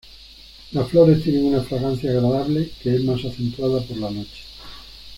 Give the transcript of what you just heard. Las flores tienen una fragancia agradable, que es más acentuada en la noche.